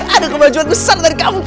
ada kemajuan besar dari kamu